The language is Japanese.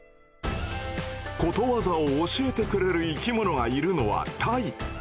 ことわざを教えてくれる生きものがいるのはタイ。